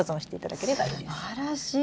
すばらしい！